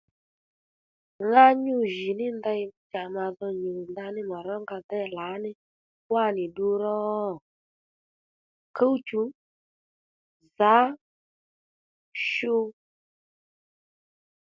Ŋá nyû jì ní ndey cha ma dho nyù ndaní mà rónga déy lǎní wánì ddu ró? Kú-chù, zǎ, shu